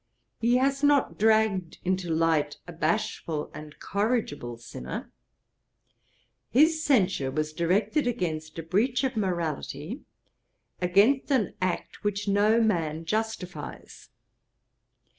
He has not dragged into light a bashful and corrigible sinner. His censure was directed against a breach of morality, against an act which no man justifies.